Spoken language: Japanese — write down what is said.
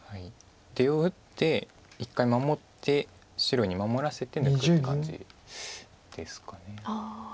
出を打って一回守って白に守らせて抜くって感じですか。